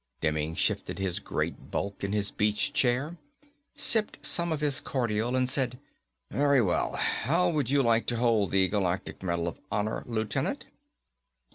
Demming shifted his great bulk in his beach chair, sipped some of his cordial and said, "Very well. How would you like to hold the Galactic Medal of Honor, Lieutenant?"